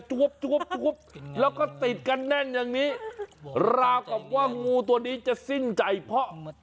จวบแล้วก็ติดกันแน่นอย่างนี้ราวกับว่างูตัวนี้จะสิ้นใจเพราะ